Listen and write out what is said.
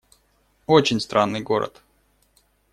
Очень странный город.